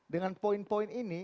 dengan poin poin ini